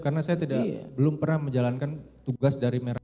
karena saya belum pernah menjalankan tugas dari medan